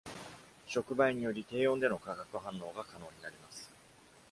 触媒により低温での化学反応が可能になります。